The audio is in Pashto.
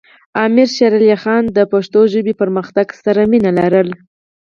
امیر شیر علی خان د پښتو ژبې پرمختګ سره مینه لرله.